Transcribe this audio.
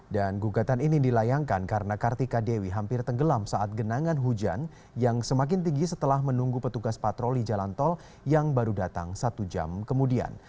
dan gugatan ini dilayangkan karena kartika dewi hampir tenggelam saat genangan hujan yang semakin tinggi setelah menunggu petugas patroli jalan tol yang baru datang satu jam kemudian